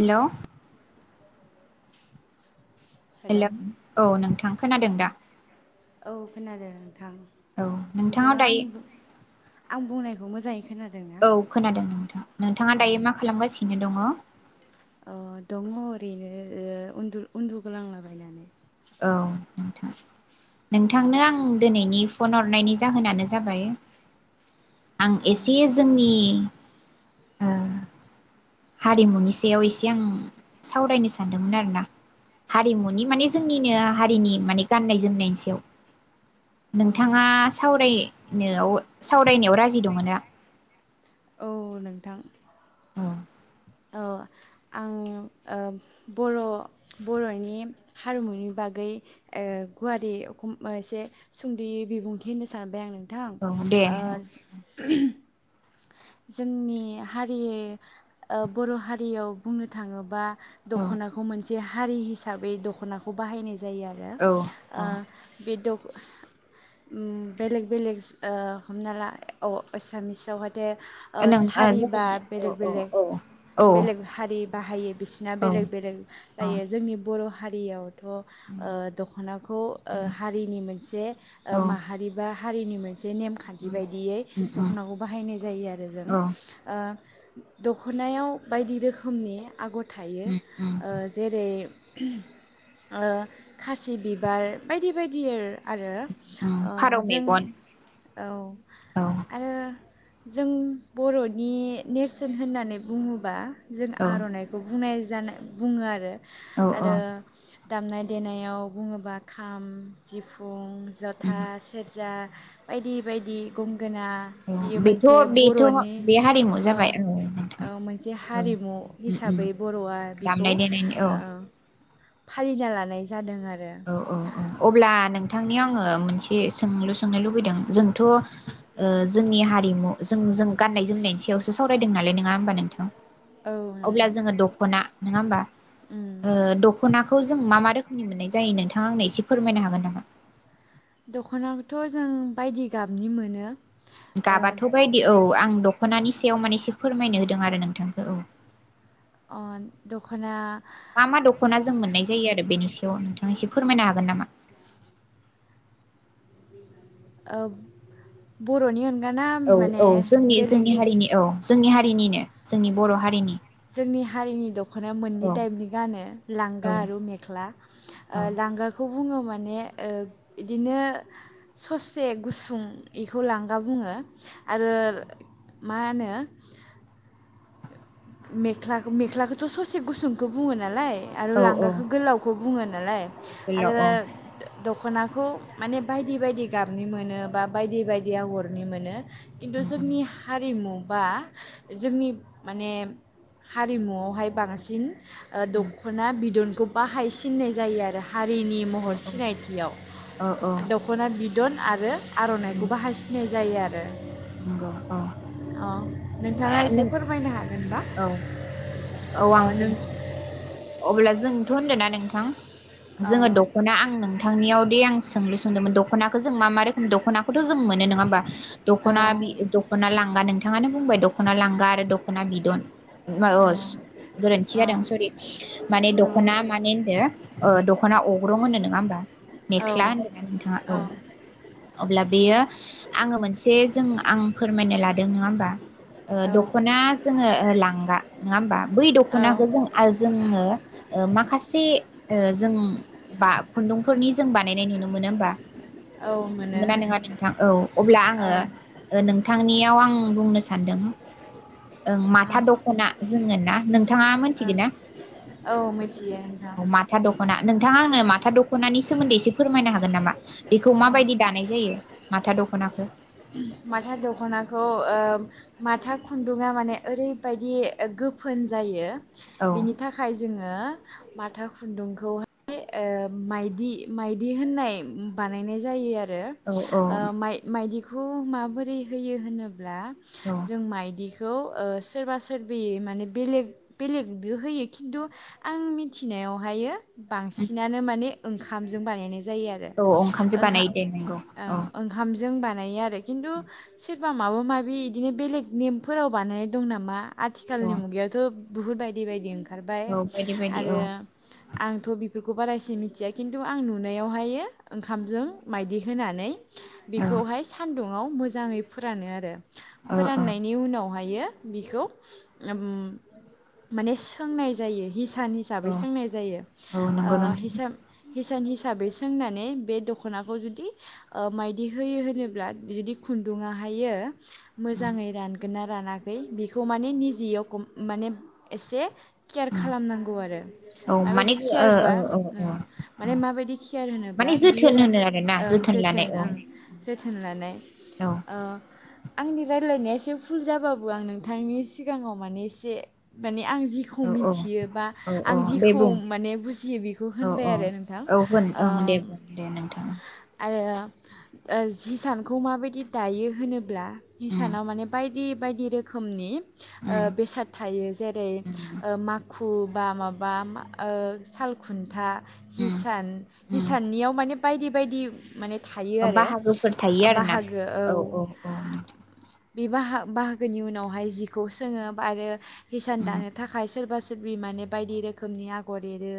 Hello hello hello औ नोंथां। खोनादों दा? औ खोनादों। थां औ नोंथाङा आं दायो बु आं बुंनाय खौ मोजाङै खोनादों ना औ खोनादों नोंथां। नोंथाङा दायो मा खालामगासिनो दङ? अ‌ दङ ओरैनो ओ उन्दु उन्दु गोलांला बायनानै औ नोंथां नोंथांनो आं दिनैनि फन हरनायनि जाहोनानो जाबाय आं औ एसे जोंनि ओ हारिमुनि सायाव एसे आं सावरायनो सानदोंमोन आरोना हारिमुनि माने जोंनिनो हारिनि माने गाननाय जोमनायनि सायाव अ नोंथाङा सावराय नायाव -सावरायनायाव राजि दंङोना? औ नोंथां औ औ आं ओ बर' बर'नि हारिमुनि बागै ओ गुवारै एसे सुंद'यै बिबुंथि होननो सानबाय आं नों नोंथां ओ औ दे [unintelligible] जोंनि हारि ओ बर' हारियाव बुंनो थाङोबा औ दख'नाखौ मोनसे हा हारि हिसाबै दख'नाखौ बाहायनाय जा जायो आरो ओ औ औ बे द बेलेग बेलेग ओ हमना ला अ एसामिसावहाय ओ नों ओ जों सारिबा औ बेलेग औ बेलेग औ औ बेलेग हारि बाहायो बिसिना बेलेग बेलेग औ जायो जोंनि बर' हारियाव थ' ओ दख'नाखौ ओ हारिनि मोनसे औ ओ माहारि बा हारिनि मोन से नेम खान्थि उम बायदियै उम उम दख'नाखौ बाहायनाय जायो आरो जों औ ओ दख'नायाव बायदि रोखोमनि आगर थायो उम उम ओ जेरै ओ खासि बिबार बायदि बायदि आरो आरो उम ओ फारौ जों मेगन औ औ आरो जों बर'नि नेरसोन होननानै बुङोबा जों औ आर'नाइखौ बुंनाय जानाय बुङो आरो औ आरो दामनाय देनायाव बुङोबा खाम सिफुं जथा उम सेरजा बायदि बायदि गं गोना औ बियो बेथ' मोनसे से बेथ' बर'नि बे हारिमु औ जाबाय नोंथां औ मोनसे औ हारिमु उम उम हिसाबै बर'आ बेखौ दामनाय देनायनि औ ओ फालिना लानाय जादों आरो औ औ औ अब्ला नोंथांनि आङो मोनसे ए सोंलु सोंनो लुबैदों जोंथ' ओ जोंनि हारिमु जों जों गाननाय जोमनायनि सायावसो सावरायदों नालाय नङा होमबा नोंथां? औ अब्ला नोंथां जोङो दख'ना नङा होमबा उम ओ दख'नाखौ खौ जों मा रोखोमनि मोननाय जायो नोंथाङा आंनो एसे फोरमायनो हागोन नामा? दख'नाखौथ' जों बायदि गाबनि मोनो। ओ गाबाथ' बायदि औ आं दख'नानि सायाव माने एसे फोरमायनो होदों आरो नोंथांखौ औ अ दख'ना मा मा दख'ना जों मोननाय जायो आरो बेनि सायाव नोंथां एसे फोरमायनो हागोन नामा? औ बर'नि अन औ औ जोंनि जोंनि हारिनि औ जोंनि हारिनिनो जोंनि बर' हारिनि जोंनि हारिनि द दखना मोननै औ टाइपनि गानो औ लांगा आरो मेख्ला ओ औ लांगाखौ बुङो माने ओ इदिनो ससे गुसुं एखौ लांगा बुङो आरो मा होनो? मेख्ला मेख्लाखौथ' ससे गुसुंखौ बुङो नालाय। आरो औ औ लांगाखौ गोलावखौ बुङो नालाय आरो गोलाव औ दखनाखौ माने बायदि बायदि गाबनि मोनो बा बायदि बायदि आगरनि मोनो। खिन्थु जोंनि हारिमु बा जोंनि माने हारिमुयावहाय बांसिन ओ दखना बिदन खौ बाहायसिननाय जायो आरो हारिनि औ महर सिनायथियाव औ औ दखना बिदन आरो आर'नाइखौबो बाहायसिनाय जायो आरो। ए नंगौ औ नोंथाङा एसे नों फोरमायनो हागोनबा औ औ अ आं नों फोरमायनि अब्ला जोंथ होनदों ना नोंथां जोङो अ दखना आं नोंथांनियाव दे आं सोंलु सोंदोंमोन दखनाखौ जों मा मा रोखोम दखनाखौथ जों मोनो नङा होमबा औ दखना दखना लांगा नोंथाङानो बुंबाय दख दखना लांगा आरो दखना बिदन गोरोन्थि जादों सरि माने दखना माने होनदो दखना अग्रं होनो नङा होमबा औ मेख्ला होनदों ना नोंथाङा औ अब्ला बेयो आङो मोनसे जों आं फोरमायनो लादों नोङा होमबा ओ औ दखना जोङो लांगा नङा होमबा बै दखनाखौ जों जोङो ओ माखासे जों बा खुन्दुंफोरनि जों बानायनाय नुनो मोनो होमबा औ मोनो नंगौ ना नङा नोंथां औ अब्ला औ आङो नों बिथांनियाव आं बुंनो सान्दों ओं औ माथा दखना जोङो ना नोंथाङा मोनथिगोन ना औ मिथियो औ नोंथां माथा दखना नोंथाङा आंनो माथा दखनानि सोमोन्दै एसे फोरमायनो हागोन नामा बेखौ औ माबायदि दानाय जायो माथा दख खनाखो माथा दखनाखौ ओ माथा खुन्दुङा माने ओरैबायदि गोफोन जायो औ बिनि थाखाय जोङो माथा खुन्दुंखौहाय ओ माइदि माइदि होननाय बानायनाय जायो आरो औ औ ओ माय मायदि खौ माबोरै होयो होनोब्ला औ जों माइदि त ओ सोरबा सोरबिय माने बेलेग बेलेगबो होयो खिन्थु आं मिथिनायावहाय बांसिनानो माने ओंखामजों बानायनाय जायो आरो औ ओंखामजो बानाय दे नंगौ औ जों बान बानायो आरो खिन्थु सोरबा माबा माबि इदिनो बेलेग नेमफोराव बानायनाय दं नामा औ आथिखालनि मुगायावथ' बहु बायदि बायदि ओंखार ओंखारबाय औ बायदि बायदि आरो औ आंथ' बेफोरखौ बेखौ बारा इसि मिथिया खिन्थु आं नुनायावहायो ओंखामजों माइदि होनानै। औ बिखौहाय न'आव मोजाङै फोरानो आरो औ औ फोराननायनि उनावहायो बिखौ ओम माने सोंनाय जायो हिस भा सान औ हिसाबै सोंनाय जायो औ ओ नंगौ नोंथां हिसाब हिसान हिसाबै सोंनानै बे दख'नाखौ जुदि माइदि होयो होनो। ब्ला जुदि खुन्दुङा हायो मोजाङै रानगोन आरो रानाखै बेखौ माने निजियाव माने एसे केयार खालामनांगौ आरो औ माने माबायदि औ औ केयारबा औ औ माने माबायदि केयार होनोब्ला माने बियो जोथोन रान होनो आरोना ओं जोथोन लानाय औ ओं। थोनलानाय। औ ओ आंनि रायजलायनाया एसे फुल जाबाबो आं नोंथांनि सिगाङाव माने एसे माने आं जिखौ औ औ मिथियो बा औ औ आं दे जिखौ बुं माने बुजियो बेखौ औ होनबाय औ आरो नोंथां औ होन ओ ओं दे बुं दे नोंथां आरो ओ जि सानखौ माबायदि दायो होनोब्ला उम इसानाव माने बाय बायदि बायदि रोखोमनि उम बेसाद थायो जेरै ओ माखु खु बा माबा ओ साल खुन्था हिसान उम हिसाननियाव माने बायदि बायदि माने थायो उम आरो बाहागोफोर थायो आरो ना औ औ औ। बे बाहा-बाहागोनि उनावहाय जिखौ सोङो आरो हिसान उम दानो थाखाय सोरबा‌ सो सोरबि माने बायदि रोखोमनि आगर एरो।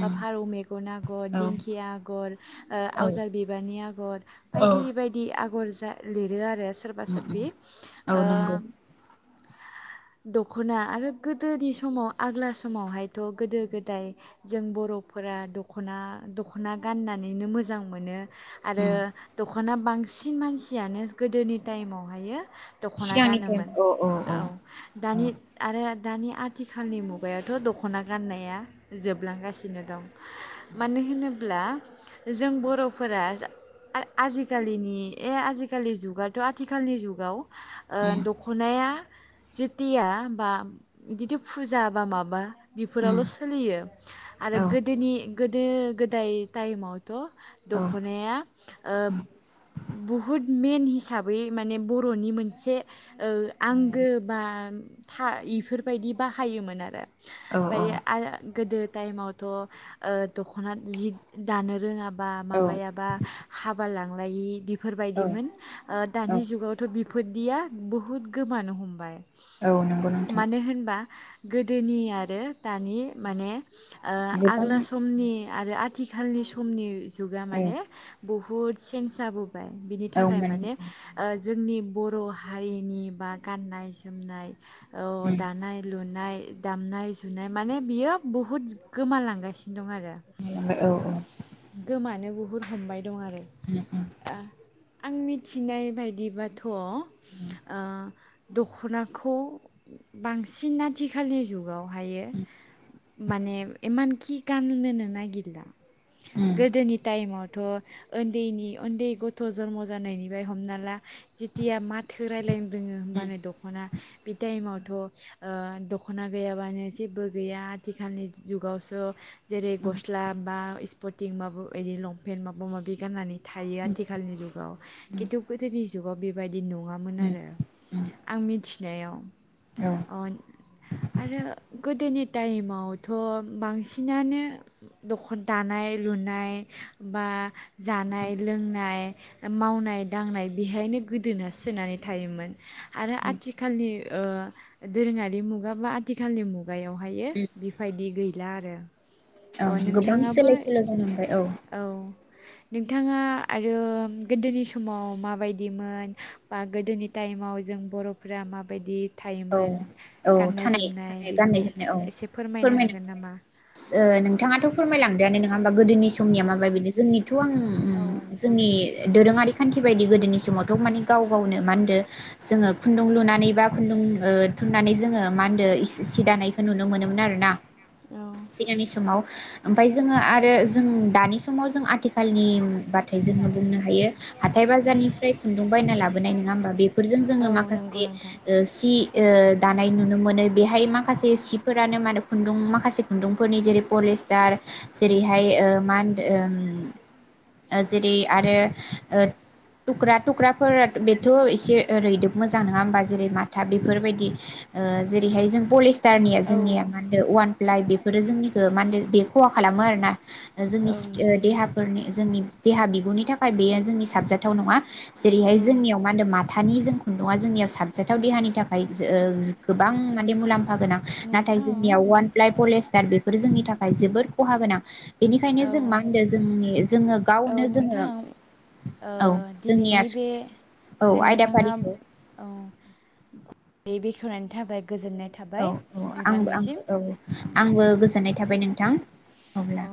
बा फारौ मेगन आगर, औ दिंखि आगर ओ औ आवजार बिबारनि आगर औ बायदि बे आगर जा लिरो आरो सोरबा उम सोरबि उम औ ओ नंगौ दख'ना आरो गोदोनि समाव आग्ला समावहायथ' गोदो गोदाय जों बर'फोरा दख'ना दख'ना गाननानैनो मोजां मोनो। आरो उम दख दख'ना बांसिन मानसियानो गोदोनि टाइमावहायो दख'ना गानोमोन औ दानि औ आरो दानि आथिखालनि मुगायावथ' दख'ना गाननाया जोबलांगासिनो दं मानो होनो ब्ला जों बर'फोरा आजिखालिनि ए आजिखालि जुगाथ' आथिखालनि जुगाव ओ उम दख'नाया जेटिया बा बिदिथ' फुजा बा माबा उम बेफोरावल' सोलियो आरो औ गोदोनि गोदो गोदाय टाइमाव थ' औ दख'नाया ओ बुहुद मेन हिसाबै माने बर'नि मोनसे ओ आंगो बा था इफोरबायदि बाहायोमोन आरो ओमफाय आ गोदो टाइमावथ' ओ दखना जि दानो रोङा बा औ माबायाबा हाबा लांलायि [unintelligible] फोरबायदिमोन ओ औ दानि जुगावथ' बि फोरदिया बुहुद गोमानो हमबाय औ नंगौ नोंथां मानो होनबा गोदोनि आरो दानि माने ओ‌ गोबां आग्ला समनि आरो आ आथिखालनि समनि जुगा औ माने बुहुत सेनस जाबो बार बिनि औ थाखाय माने उम ओ जोंनि बर' हारिनि बा गाननाय जोमनाय औ दानाय लुनाय दामनाय जुनाय माने बियो बुहुत गोमालांगासिनो दं आरो औ औ उम गोमानो बु बहुद हमबाय दङ ओम ओम आं मिथिनाय बायदिबाथ' थ' ओ उम दख'नाखौ बांसिन आथिखालनि जुग हायो माने एमान खि गानोनो नागिरला गोदोनि टाइमाव थ' उन्दैनि उन्दै गथ' जन्म जानायनिफ्राय हमना ला जेथिया माथो रायलायनो रोङो होमबानो दख'ना बि टाइमावथ' ओ दख'ना गैयाबानो जेबो गैया आथिखालनि जुगावसो जेरै गस्ला बा स्पर्टिं बाबो बिदि लंपेन्ट माब माबा माबि गाननानै थायो आथिखालनि जुगाव खिन्थु गोदोनि जुगाव बेबायदि नङामोन आरो आं थिनायाव औ अ आरो गोदोनि टाइमावथ' बांसिनानो दखर दानाय लुनाय बा जानाय लोंनाय मावनाय दांनाय बेहायनो गोदोना सोनानै थायोमोन आरो उम आथिखालनि ओ दोरोङारि मुगा बा आथिखालनि मुगायावहायो बेबायदि गैला आरो औ अ गोबां सोलाय नोंथाङाबो सोल' जानांबाय औ औ नोंथाङा आरो गोदोनि समाव माबायदिमोन बा गोदोनि टाइमाव जों बर'फोरा माबायदि औ थायोमोन औ गाननाय थानाय जोमनाय थानाय गाननाय बेखौ जोमनाय औ एसे फोरमायनो हागोन फोरमायनांगौ नामा? औ नोंथाङाथ' फोरमायलांदो आनो नों नङा होमबा गोदोनि समनिया औ माबा बेनो जोंनिथ' आं औ नोंथां जोंनि दोरोङारिखौ खान्थि बायदि गोदोनि समावथ' माने गाव गावनो मा होनो जोङो खुन्दुं लुनानै बा खुन्दुं ओ थुननानै जोङो मा होनदो सि दानायखौ नुनो मोनोमोन आरो ना औ सिगांनि समाव ओमफाय जोङो आरो जों दानि समाव जों आथिखाल आथिखालनि बाथाय जोङो बुंनो हायो हाथाय बाजारनिफ्राय खुन्दुं बायना लाबोनाय नङा होमबा बेफोरजों जोङो औ नंगौ माखासे नोंथां ओ सि ओ दानाय नुनो मोनो बेहाय माखासे सिफोरानो मा होनो खुन्दुं माखासे खुन्दुंफोरनि जेरै पलिस्टार जेरैहाय ओ मा होनो ओ जेरै आरो ओ थुख्रा थुख्राफोरा बेथ' एसे रैदोब मोजां नङा होमबा जेरै माथा बे बेफोरबायदि ओ जेरैहाय जों पलि स्टारनिया औ जोंनिया मा औ होनो अवान प्लाइ बेफोरो जोंनिखौ मा होनो बे खहा खालामो आरो ना जोंनि औ नोंथां देहाफोरनि जोंनि देहा बिगुरनि थाखाय बेयो जोंनि साबजाथाव नङा जेरैहाय औ जोंनियाव मा होनो माथा थानि जों खुन्दुुंआ जोंनि साबजाथाव देहानि थाखाय [unintelligible] औ गोबां माने मुलाम्फा गोनां नाथाय नोंथां जोंनियाव वान प्लाइ पलेज दा बेफोर जोंनि थाखाय जोबोद खहा गोनां बेनिखायनो औ जों मा होनो जोंनि जोङो औ गावनो जोङो नोंथां ओ औ जोंनिया दिनैनि बे औ नोंथाङा आयदाफारिखौ औ बे बेखेवनानो थाबाय औ औ आंबो नोंथांनिसिम आंबो औ आंबो गोजोननाय थाबाय नोंथां अब्ला